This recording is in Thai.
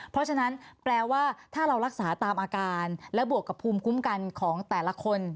เพราะฉะนั้นแปลว่าถ้าเรารักษาตามอาการและบวกกับภูมิคุ้มกันของแต่ละคน